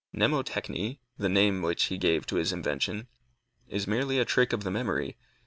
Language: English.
Mnemotechny, the name which he gave to his invention, is merely a trick of the memory.